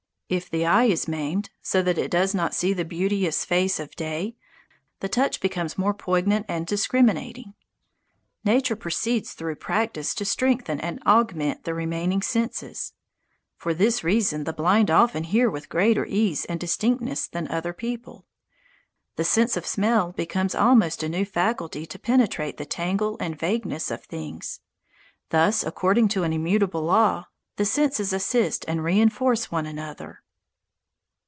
If the eye is maimed, so that it does not see the beauteous face of day, the touch becomes more poignant and discriminating. Nature proceeds through practice to strengthen and augment the remaining senses. For this reason the blind often hear with greater ease and distinctness than other people. The sense of smell becomes almost a new faculty to penetrate the tangle and vagueness of things. Thus, according to an immutable law, the senses assist and reinforce one another.